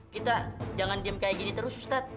kita jangan diem kayak gini terus ustadz